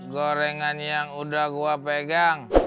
gorengan yang udah gue pegang